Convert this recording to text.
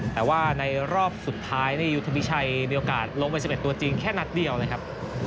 แต่ว่าในรอบสุดท้ายนี่ยุทธพิชัยมีโอกาสลงไป๑๑ตัวจริงแค่นัดเดียวเลยครับ